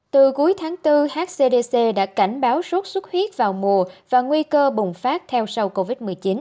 từ cuối tháng bốn hcdc đã cảnh báo sốt xuất huyết vào mùa và nguy cơ bùng phát theo sau covid một mươi chín